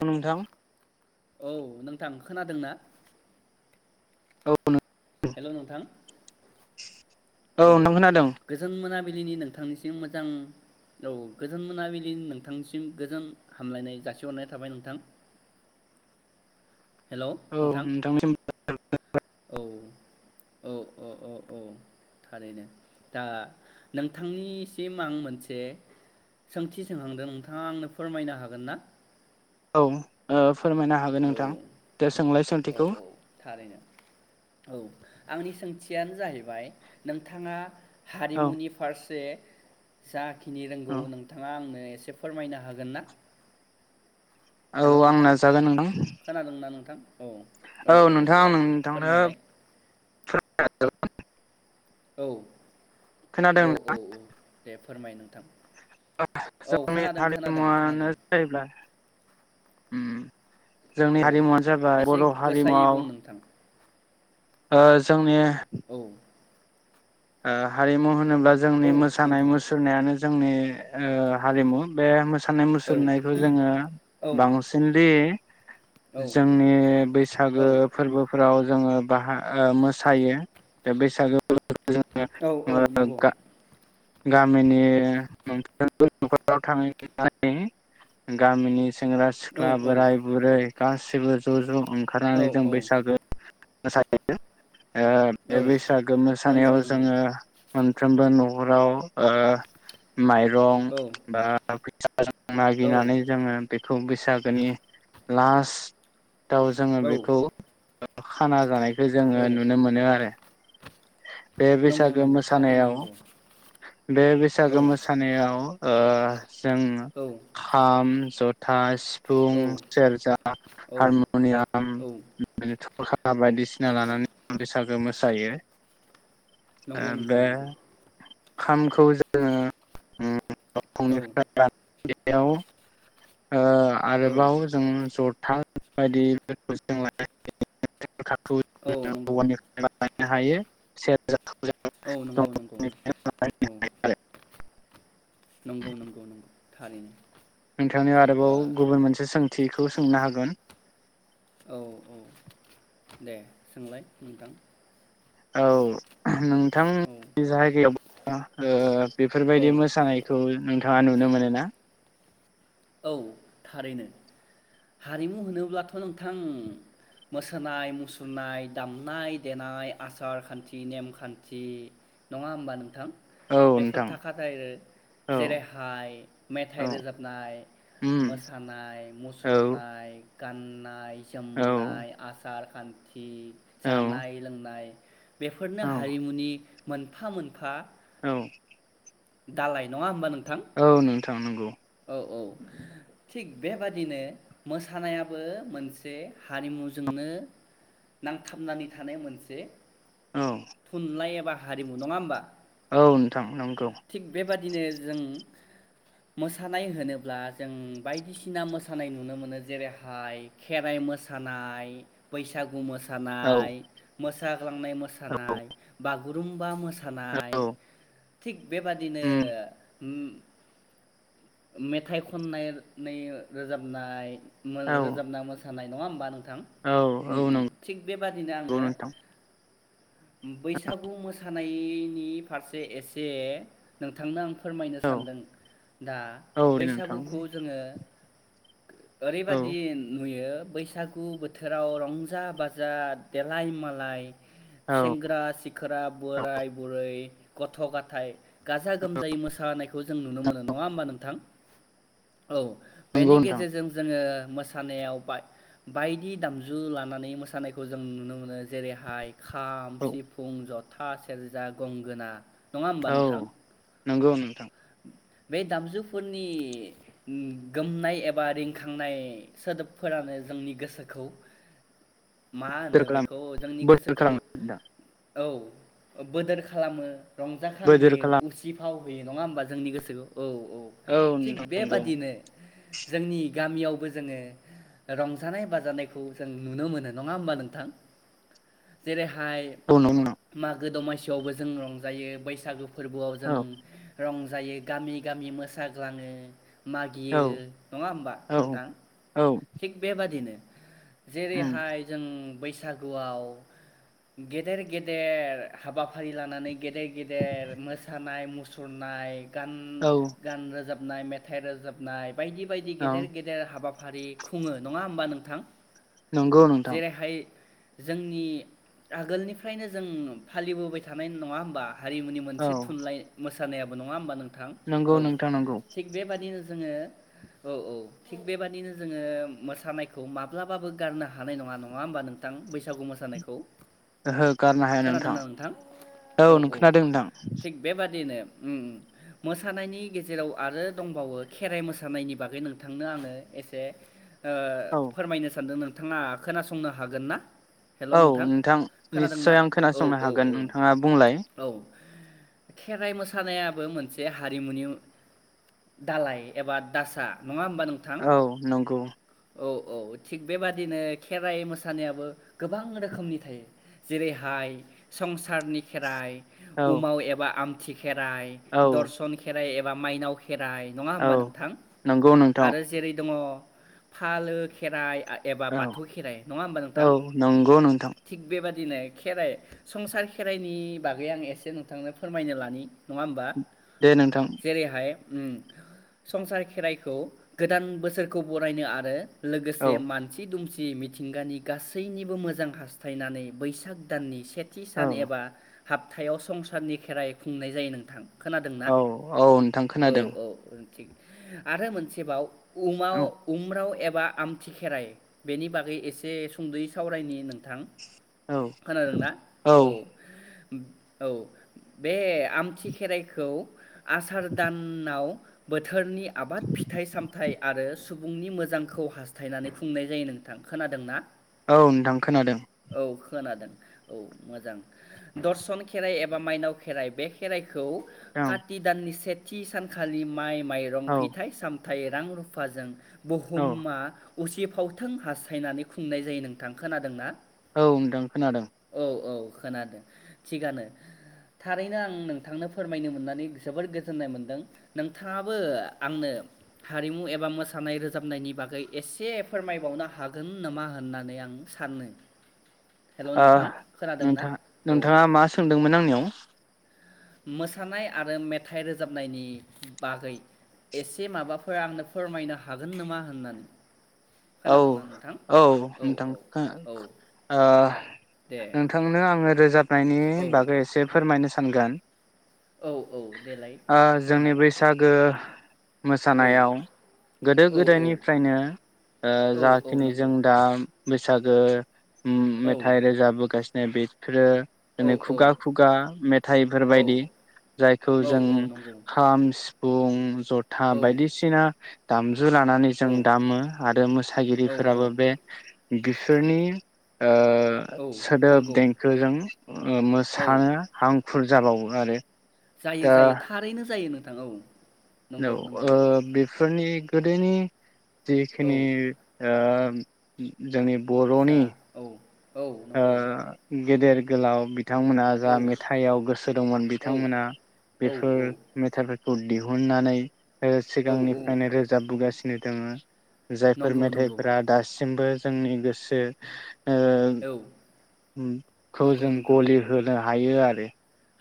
औ नोंथां औ नोंथां खोनादों ना औ हेलौ नोंथां औ नोंथां खोनादों गोजोन मोना बिलिनि नोंथांनिसिम मोजां औ गोजोन मोनाबिलिनि नोंथांनिसिम गोजोन हामलायनाय जासिहरनाय थाबाय नोंथां। हेल' औ नोंथां नोंथांनिसिमबो [inaudible] औ औ औ औ औ थारैनो दा नोंथांनिसिम आं मोनसे सोंथि सोंहांदों नोंथाङा आंनो फोरमायनो हागोन ना। औ ओ फोरमायनो हागोन औ नोंथां दे सोंलाय औ सोंथिखौ औ थारैनो औ आंनि सोंथियानो जाहैबाय नोंथाङा औ हारिमुनि फारसे जाखि खिनिनो रोंगौ औ नोंथाङा आंनो एसे फोरमायनो हागोन ना औ हेल' आं नोंथां नाजागोन नोंथां खोनादोंना नोंथां औ औ नोंथां नोंथांनो [inaudible] औ खोनादों औ औ औ दे फोरमायो नोंथां औ जोंनि खोनादों खोनादों हारिमुवानो खोनादों जाहैब्ला उम जोंनि औ हारिमुवानो जाबाय एसे बर' गोसायै बुं हारिमुआव नोंथां ओ जोंनि। औ ओ हारिमु। होनोब्ला जोंनि औ मोसानाय नोंथां मुसुरनायानो जोंनि ओ हारिमु बे मो सानाय औ मुसुरनायखौ जोङो औ बांसिनलि औ जोंनि बैसागो औ फोरबोफोराव जोङो बाहा ओ मोसायो दा बैसागो जों औ औ ङो ओ नंगौ गा गामिनि मोनफ्रोमबो नखराव थांनानै गामिनि सेंग्रा औ सिख्ला औ बोराय बुरै गासिबो ज' ज' औ ओंखारनानै जों बैसागो मोसायो। ऐ औ बे बैसागोनो मो नंगौ थानायावहाय नंगौ जोङो मोनफ्रोमबो ओ न'खराव ओ। माइरं औ बा फै जों औ मागिनानै जोङो बे खौ बैसागोनि लास्ट दाव जोङो औ बेखौ खाना जानाय खै औ जोङो नुनो मोनो आरो। बे नंगौ बैसागो नंगौ थारैनो मोसानायाव नंगौ बे बैसागो औ मोसानायाव। ओ। जों औ खाम जथा औ सिफुं सेरजा औ हारमुनियाम औ बो हा। आ बायदिसिना नंगौ लानानै बैसागो मो सायो। नंगौ नोंथां नंगौ। खामखौ जोङो उम औ फुंनिफ्राय लान गेजेराव ओ औ आरोबाव जों जथा बायदिफोरखौ जों लानो हायो। खाकु औ उम नंगौ अवाननिखौ मालाय हायो सेरोजा औ नंगौ नंगौ औ औ हायो आरो नंगौ नंगौ नंगौ। थारैनो नोंथांनि दा आरोबाव गुबुन मोनसे सों थिखौ सोंनो हागोन। औ औ दे सोंलाय नोंथां। औ नों औ बिथांनि जायगायाव ओ औ बेफोरबायदि मोसानायखौ नाङा नुनो मोनो ना। औ थारैनो हारिमु होनोब्लाथ' नोंथां मोसानाय मुसुरनाय दामनाय देनाय आसार खान्थि नेमखान्थि नङा होमबा नोंथां? औ बेफोर नोंथां थाखाथायार औ जेरैहाय मेथाइ औ रोजाबनाय। उम मोसानाय औ मुसुरनाय गान्नाइ औ जोमनाय आसार खान्थि औ जानाय लोंनाय।। बेफोरनो औ हारिमुनि मोनफा मोनफा औ दालाय नङा होमबा नों औ नोंथां नंगौ औ औ थिग बेबादिनो मोसानायाबो मोनसे हारिमुजोंनो नांथाबनानै थानाय मोनसे औ थुनलाइ एबा, हारिमु नङा होमबा? औ नोंथां नंगौ। थिग बेबादिनो जों मोसानाय होनोब्ला जों बायदिसिना मोसानाय नुनो मोनो, जेरैहाय खेराइ मोसानाय बैसागु मो औ मोसानाय थांनाय औ मोसानाय बाग बागुरुम्बा मोसानाय औ थिग बेबादिनो उम हम मेथाइ खननायनि रोजाबनाय औ रोजाबना मोस नाय नङा होमबा नों थां औ उम औ उम नंगौ थिग बे बादिनो आङो नोंथां बैसागु मोसानायनि फारसे एसे नोंथांनो आं फोरमायनो औ सानदों दा औ दे नोंथां बैसागुखौ जोङो औ ओरैबादि नुयो बैसागु बोथोराव रंजा बाजा देलाय मालाय औ सेंग्रा सिखोरा औ बोराय बुरै गथ' गाथाय गाजा गोमजायै मोसानायखौ जों नुनो मोनो नङा होमबा नोंथां औ नंगौ बेनि नोंथां गेजेरजों जोङो मोसानायाव बा बायदि दामजु लानानै मोसानायखौ जों नुनो मोनो जेरैहाय खाम औ सिफुं ज' था सेरजा गंगोना नङा होमबा औ नोंथां नोंगौ नोंथां बे दामजुफोरनि गोमनाय एबा रिंखांनाय सोदोबफोरानो जोंनि गोसोखौ मा होनो सोर खालाम बेखौ जोंनि बोसोर गोसोखौ खालामगोन नोंथां औ बोदोर खालामो बोजोर रंजाखांहोयो खालाम उसिफाव फैयो नङा होमबा जोंनि गोसोखौ औ औ थिग नोंथां नंगौ। बेबादिनो जोंनि गामियावबो जोङो रंजानाय बाजानायखौ जों नुनो मोनो नङा होमबा नोंथां जेरै हाय औ नंगौ नोंथां मागो द'मा बो जों रंजायो बैसागु फोरबोआव जों औ रं जायो गामि गामि मोसाग्लाङो मागियो औ नङा होमबा औ नोंथां औ थिग बेबादिनो उम जेरैहाय जों बैसागुआव गेदेर गेदेर हाबाफारि लानानै गेदेर गेदेर मोसानाय मुसुरनाय गान औ गान रोजाब नाय मेथाइ रोजाबनाय बायदि बायदि औ गेदेर गेदेर हाबा फारि खुङो नङा होमबा नोंथां। नंगौ नोंथां। जेरैहाय जोंनि आगोलनिफ्रायनो जों फालिबोबाय थानाय नङा होमबा? हारिमुनि औ मोनसे थुनलाइ मोस सानायाबो नङा होमबा नों थां औ नोंथां नंगौ। जोङो औ औ थिग बेबादिनो जोङो मोसानायखौ माब्लाबाबो गारनो हानाय नङा नङा होमबा नोंथां बैसागु मोसानायखौ। ओहो गारनो हाया नोंथां। औ नों खोनोनादों नोंथां। थिग बेबादिनो उम उम मोसानायनि गेजेराव आरो दंबावो खेराइ मोसानायनि बागै नोंथांनो आङो एसे ओ औ फोरमायनो सानदों नों थाङा खोनासंनो हागोन ना? औ नोंथां खोनादोंना? निस्सय आं औ खोनासंनो औ औ हागोन नोंथाङा बुंलाय? औ खेराइ मोसानायाबो मोनसे हारिमुनि दालाय एबा दासा नङा होमबा नोंथां? औ नंगौ। औ औ थिग बेबादिनो खेराइ मोसानायाबो गोबां रोखोमनि थायो। जेरैहाय संसारनि खेराइ औ उमाव एबा आम खेराइ औ दर्सन खेराइ एब बा माइनाव खेराइ नङा औ होमबा नोंथां? नंगौ नोंथां आरो जेरै दङ फालो खेराइ आ एबा औ बाथौ खेराइ नङा होमबा औ नोंथां नंगौ नोंथां थिख बेबाद दिनै खेराइ संसार खेराइनि बागै आं एसे नोंथांनो फोरमायनो लानि। दे नोंथां। हाय उम संसार खेराइखौ गोदान बोसोरखौ बरायनो आरो औ लोगोसे मानसि दुमसि दि मिथिंगानि गासैनिबो मोजां हास्थायनानै बैसाग दाननि सेथि सान औ एबा हाबथायाव संसारनि खेराइ खुंनाय जायो नोंथां। खोनादों ना? औ औ नोंथां खोनादों। थिग आरो मोनसेबाव उमाव औ उम्राव एब बा आमथि खेराइ बेनि बागै एसे सुंद'यै सावरायनि नोंथां। औ खोनादोंना औ। औ बे आमथि खेराइखौ। आसार दानाव बो थोरनि आबाद फिथाइ सामथाइ आरो सुबुंनि मोजांखौ हास्थायनानै खुंनाय जायो नोंथां खोनादों ना? औ नोंथां खोनादों। खोनादों औ मोजां दर्शन खेराइ एबा माइनाव खेराइ बे खेराइ खौ ओं कात नि सेथि सानखालि माइ माइरं औ फिथाइ साम थाय रां रुफाजों औ बुहुमा उसि फावथों हास्थायनानै खुंनाय जायो नोंथां खोनादोंना? औ नोंथां खोनादों। औ औ खोनादों थिगानो थारैनो आं नोंथांनो फोरमायनो मोननानै जोबोर गोजोननाय मोन्दों नोंथाङाबो आंनो हारिमु एबा मोसानाय रोजाबनायनि बागै एसे फोरमायबावनो हागोन नामा होननानै आं सानो। हेल' ओह नोंथां खोनादोंना नोंथां औ नोंथाङा मा सोंदोंमोन आंनियाव? मोसानाय आरो मेथ थाइ रोजाबनायनि बागै एसे माबाफोर आंनो फोरमायनो हागोन नामा होननानै। औ खोनादोंना नोंथां औ नोंथां औ खोना ओ दे नोंथांनो आङो रोजाबनाय नि औ बागै एसे फोरमायनो थांगोन। औ औ देलाय ओ जोंनि फोरमाय बैसागो औ मोसानायाव गोदो औ औ गोदायनिफ्रायनो ओह औ जा औ खिनि जों नंगौ दा बैसागो। ओम औ मेथाइ रोजाबोगास ए बेफोरो औ जोंने खुगा खुगा औ मेथाइफोरबायायदि जायखौ औ जों औ नंगौ खाम सि जथा औ बायदिसिना दाम जु लानानै औ जों दामो ‌। आरो मोसायो औ हिहिफोराबो औ बे गोसोनि आ औ सोदोब नंगौ देंखोजों मोसा औ हां फुर जाबावो आरो। जायो दा जायो थारैनो जायो नोंथां औ नंगौ नंगौ। फोरनि गोदोनि जि औ खेने आ जोंनि जा औ। औ आ नंगौ गेदेर गोलाव बि बिथांमोना औ जा मेथाइआव गोसो दंमोन औ बिथांमोनहा औ बेफोर मेथाइफोरखौ दिउ गुननानै ओ औ औ सिगांनिफ्रायनो रोजाबबोगासिनो। दोंयो जायफोर नंगौ नंगौ मेथाइफोरा दासिमबो जोंनि गोसो ओ। औ उम ख' नंगौ जों नोंथां गलि होनो हायो आरो ‌।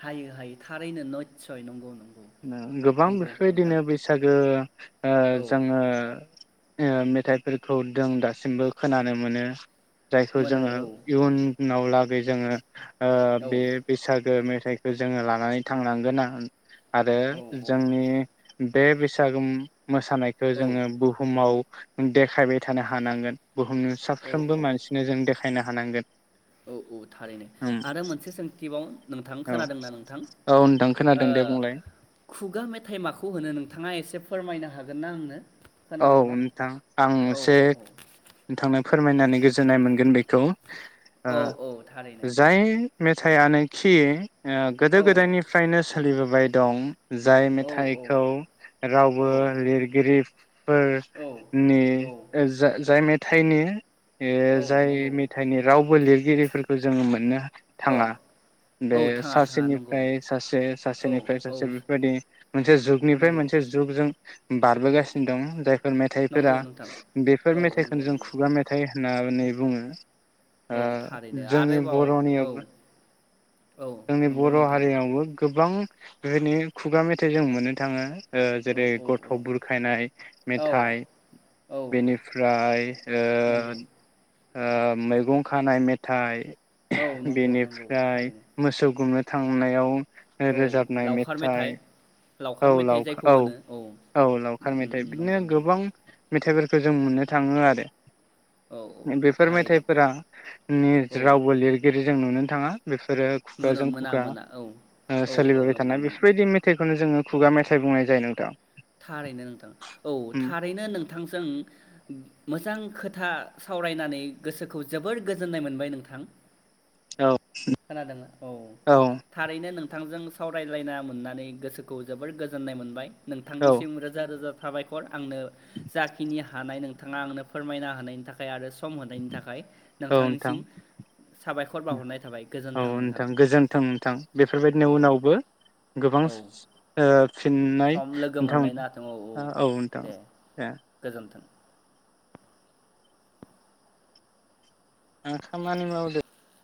हायो हायो थारैनो नितसय नंगौ नं ना गोबां बेफोरबायदिनो बैसागो आ औ जोङो ए मेथाइफोरखौ दों दासिमबो खोनानो मोनो। जायखौ मोनो जोङो औ इयननाव लाख बे जोङो आ औ बे बैसागो मेथ फिथाइखौ जोङो लानानै थांनांगोन आं आरो औ औ जोंनि बे बैसागु मोसानायखौ औ जोङो बुहुमाव देखायबाय थानो हानांगोन बुहुमनि औ साफ्रोमबो औ मानसिनो जों देखायनो थानांगोन औ औ थारैनो आरो मोनसे सोंथिबाव नोंथां औ खोनादोंना नोंथां औ नोंथां खोनादों दे बुंलाय खुगा मेथाइ माखौ होनो नोंथाङा एसे फोरमायनो हागोन ना आंनो औ खोनादोंना नोंथां आं औ एसे नोंथांनो फोरमायनानै गोजोननाय मोनगोन बेखौ ओ औ औ थारैनो जाय मेथाइआनो खि गोदो औ गोदायनिफ्रायनो सोलिबोबाय दं। जाय औ मेथाइखौ औ रावबो लिरगिरि औ औ फोरनि जाय मे थाइनि औ जाय नंगौ मेथाइनि रावबो लिर गिरिफोरखौ जोङो मोननो अ थाङा औ बे थाङा थाङा नंगौ सासेनिफ्राय सासे औ सासेनिफ्राय औ सासे बेफोरबायदि मोनसे जुगनिफ्राय नंगौ मोनसे जुगजों बारबो गासि दं जाय फोर मेथाइफोरा नंगौ नोंथां बेफोर औ नंगौ मेथाइखौनो जों नंगौ खुगा मेथाइ होननानै बुङो ओ औ थारैनो जोंनि आरोबाव औ बर'नियाव औ जोंनि नंगौ बर' नोंथां हारियावबो गोबां बिनो खुगा मेथाइ जों मोननो थाङो औ जेरै औ गथ' बुरखायनाय औ मेथाइ औ बेनिफ्राय ओ नंगौ ओ मैगं खानाय मेथाइ औ नंगौ नंगौ बेनिफ्राय थारैनो मोसौ गुमनो थांनायाव औ रोजाबनाय लावखार मेथाइ लावखार औ मेथाइ लावखा जायखौ औ होनो औ लावखार उम मेथाइ उम बिदिनो नंगौ नंगौ गोबां मेथाइ फोरखौ जों मोननो थाङो आरो। औ औ बेफोर थारैनो मेथाइफोरा नि औ रावबो लिरगिरि जों नुनो थाङा। बेफोरो नुनो खुगाजों मोना खुगा मोना औ ओ औ औ सोलिबोबाय नंगौ थानाय नंगौ बेफोरबायदि मेथाइखौनो जोङो। खुगा मेथाइ बुंनाय जायो नोंथां। थारैनो नोंथां औ उम थारैनो नोंथांजों मोजां खोथा सावरायनानै गोसोखौ जोबोर गोजोननाय मोनबाय नोंथां। औ खोनादों औ थारैनो नों थांजों सावरायलायना मोननानै गोसोखौ जोबोर गोजोननाय मोनबाय। औ नोंथांनिसिम रोजा रोजा साबायखर आंनो जाखिनि हानाय नोंथाङा आंनो फोरमायना होनायनि थाखाय आरो सम होनायनि थाखाय औ नोंथां नोंथांनिसिम साबायखर बावहरनाय थाबाय। औ नोंथां गोजोन्थों नोंथां औ बेफोरबायदिनि उनावबो गोबां औ ओ फिन मोननाय सम लोगो नोंथां मोनलायनो हाथों औ नोंथां दे। गोजोन्थों। आं खामानि मावदो